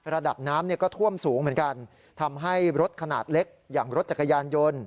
ระดับน้ำเนี่ยก็ท่วมสูงเหมือนกันทำให้รถขนาดเล็กอย่างรถจักรยานยนต์